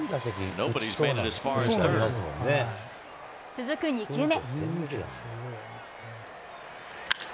続く２球目。